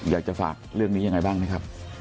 อยากจะฝากเรื่องนี้ยังไงบ้างไหมครับ